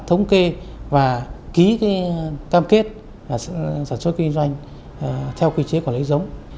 thống kê và ký cam kết sản xuất kinh doanh theo quy chế quản lý giống